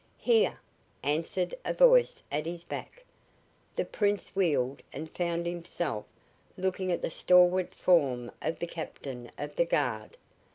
"Here!" answered a voice at his back. The Prince wheeled and found himself looking at the stalwart form of the captain of the guard.